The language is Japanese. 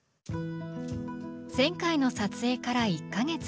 前回の撮影から１か月。